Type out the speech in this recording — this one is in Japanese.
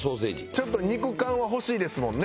ちょっと肉感は欲しいですもんね。